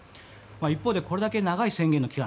一方でこれだけ長い宣言の期間